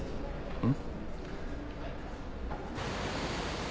うん。